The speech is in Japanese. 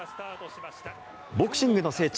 ボクシングの聖地